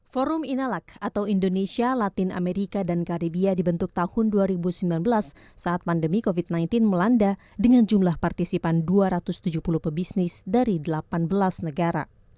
forum inalak atau indonesia latin amerika dan karibia dibentuk tahun dua ribu sembilan belas saat pandemi covid sembilan belas melanda dengan jumlah partisipan dua ratus tujuh puluh pebisnis dari delapan belas negara